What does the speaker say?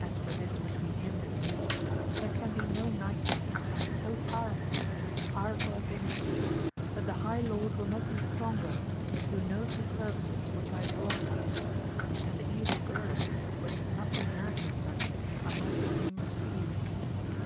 As for this between him and me, there can be no knights on his side so powerful, powerful as they may be, that the high Lord will not be stronger, who knows the services which I have wrought for him, and the evil guerdon, which nothing meriting such, I have from him received.